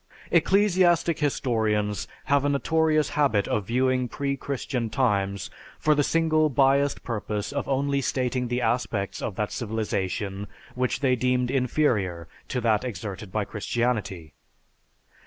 Ecclesiastic historians have a notorious habit of viewing pre Christian times for the single biased purpose of only stating the aspects of that civilization which they deemed inferior to that exerted by Christianity.